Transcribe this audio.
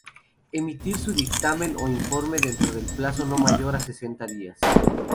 Emitir su dictamen o informe dentro del plazo no mayor de sesenta días.